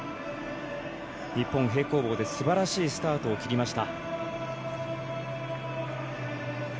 日本、平行棒ですばらしいスタートを切りました。